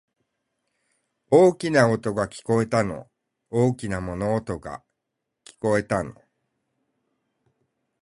大きな音が、聞こえたの。大きな物音が、聞こえたの。